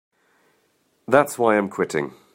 That's why I'm quitting.